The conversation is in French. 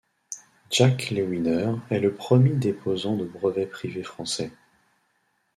Jacques Lewiner est le premier déposant de brevets privé français.